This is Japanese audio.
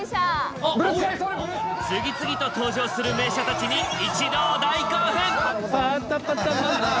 次々と登場する名車たちに一同大興奮！